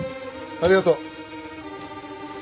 ありがとう。